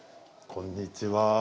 こんにちは。